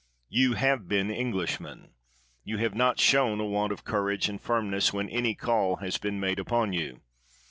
You have been Englishmen. You have not shown a want of courage and firmness when any call has been made upon you.